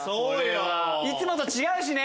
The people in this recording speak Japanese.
いつもと違うしね。